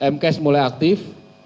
m cache mulai aktif